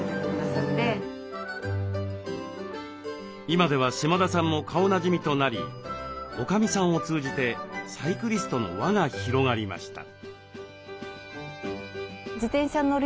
今では島田さんも顔なじみとなりおかみさんを通じてサイクリストの輪が広がりました。